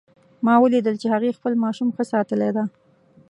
ما ولیدل چې هغې خپل ماشوم ښه ساتلی ده